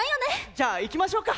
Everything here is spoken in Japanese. じゃあ行きましょうか。